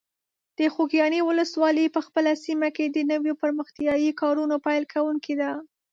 د خوږیاڼي ولسوالۍ په خپله سیمه کې د نویو پرمختیایي کارونو پیل کوونکی ده.